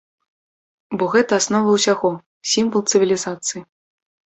Бо гэта аснова ўсяго, сімвал цывілізацыі.